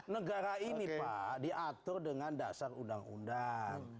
negara ini pak diatur dengan dasar undang undang